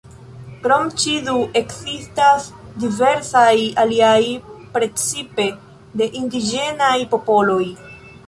Krom ĉi du, ekzistas diversaj aliaj precipe de indiĝenaj popoloj.